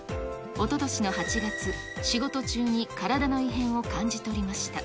おととしの８月、仕事中に体の異変を感じ取りました。